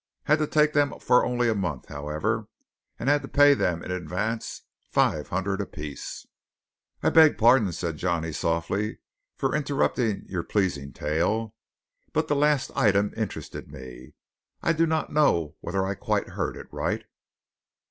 Had to take them for only a month, however; and had to pay them in advance five hundred apiece." "I beg pardon," said Johnny softly, "for interrupting your pleasing tale; but the last item interested me. I do not know whether I quite heard it right."